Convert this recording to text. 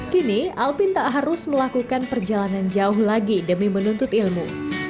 kini alvin tak harus melakukan perjalanan jauh lagi demi menuntut ilmu